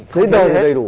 giấy tờ thì đầy đủ